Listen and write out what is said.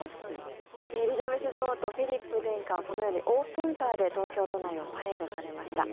エリザベス女王とフィリップ殿下はこのようにオープンカーで東京都内をパレードされました。